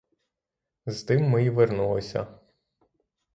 З тим ми й вернулися.